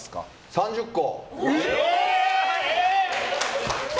３０個！？